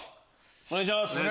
お願いします。